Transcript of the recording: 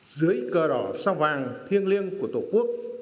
dưới cờ đỏ sao vàng thiêng liêng của tổ quốc